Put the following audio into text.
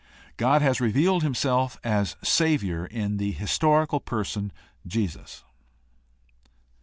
God has revealed himself as Savior in the historical person, Jesus.